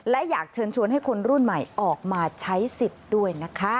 และอยากเชิญชวนให้คนรุ่นใหม่ออกมาใช้สิทธิ์ด้วยนะคะ